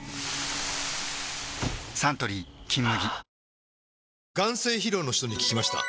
サントリー「金麦」